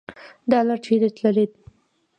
دا لار چیري تللي